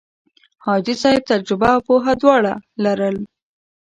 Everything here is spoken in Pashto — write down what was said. حاجي صاحب تجربه او پوه دواړه لرل.